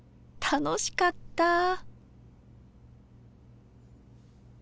楽しかったぁ。